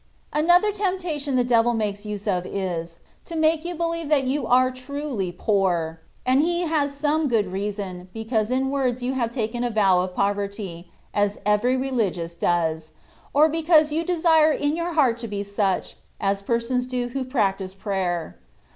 Another temptation the devil makes use of is, to make you believe that you are truly poor ; and he has some good reason, because in words you have taken a^ vow of poverty, as every Religious does, or because you desire in your heart to be such, as persons do who practise prayer.